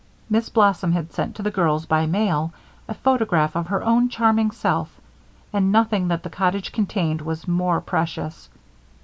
Miss Blossom had sent to the girls, by mail, a photograph of her own charming self, and nothing that the cottage contained was more precious.